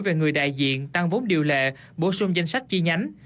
về người đại diện tăng vốn điều lệ bổ sung danh sách chi nhánh